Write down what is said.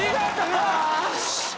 よし！